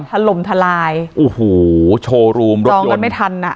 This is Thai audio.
ถล่มทลายโอ้โหโชว์รูมรถยนต์